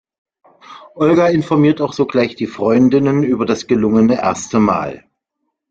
Olga informiert auch sogleich die Freundinnen über das gelungene erste Mal.